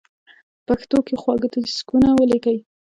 پښتو کې خواږه ټېکسټونه وليکئ!!